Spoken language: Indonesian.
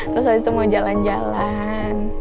terus habis itu mau jalan jalan